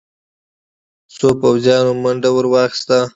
څو پوځيانو منډه ور واخيسته.